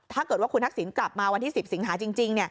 ถ้าเกิดว่าคุณทักษิณกลับมาวันที่๑๐สิงหาจริง